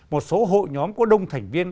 một số hội nhóm của đông thành viên